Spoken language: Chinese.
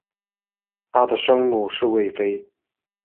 她的生母韦妃。